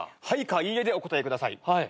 「はい」か「いいえ」でお答えください。